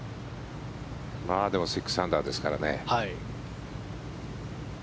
でも６アンダーですからね。